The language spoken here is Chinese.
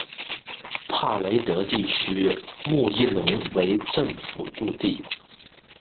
帕雷德地区穆伊隆为政府驻地。